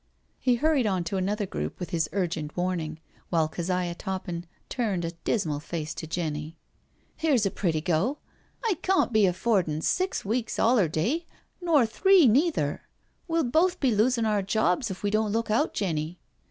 *' He hurried on to another group with his urgent warning, while Keziah Toppin turned a dismal face on Jenny. " Here's a pretty go I I cawn*t be affordin' six weeks 'oUerday, nor three neither. We'll both be losin* our jobs if we don't look out, Jenny."